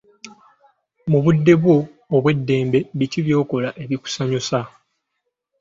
Mu budde bwo obw'eddembe biki by'okola ebikusanyusa?